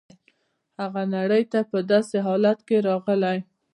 هغه نړۍ ته په داسې حالت کې راغلی.